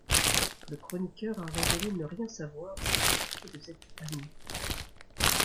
Le chroniqueur a révélé ne rien savoir des activités de cet ami.